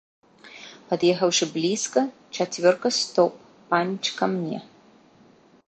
Пад'ехаўшы блізка, чацвёрка стоп, паніч ка мне.